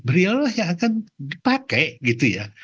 beliau lah yang akan dipakai gitu ya